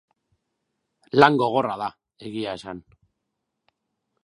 Lan gogorra da, egia esan.